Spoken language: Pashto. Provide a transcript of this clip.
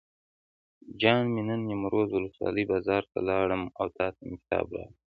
جان مې نن نیمروز ولسوالۍ بازار ته لاړم او تاته مې کتاب راوړل.